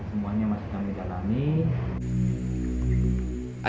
semuanya masih kami jalani